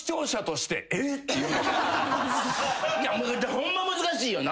ホンマ難しいよな。